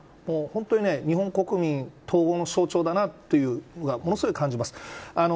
本当に日本国民統合の象徴だなということをものすごい感じます。